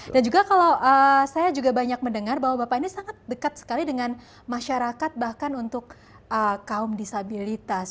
dan juga kalau saya juga banyak mendengar bahwa bapak ini sangat dekat sekali dengan masyarakat bahkan untuk kaum disabilitas